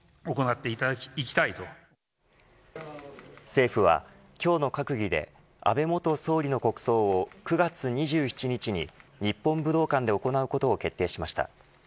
政府は今日の閣議で安倍元総理の国葬を９月２７日に日本武道館で行うことを決定しました。